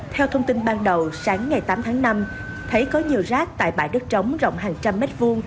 theo thông tin ban đầu sáng ngày tám tháng năm thấy có nhiều rác tại bãi đất trống rộng hàng trăm mét vuông